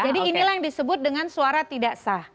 jadi inilah yang disebut dengan suara tidak sah